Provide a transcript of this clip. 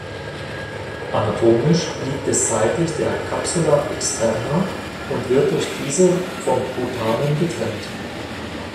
Anatomisch liegt es seitlich der "Capsula externa" und wird durch diese vom Putamen getrennt.